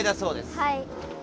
はい。